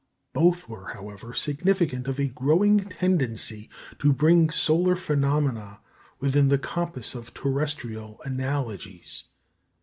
Both were, however, significant of a growing tendency to bring solar phenomena within the compass of terrestrial analogies.